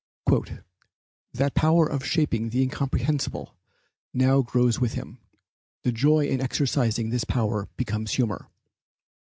"That power of shaping the incomprehensible now grows with him; the joy in exercising this power becomes humor.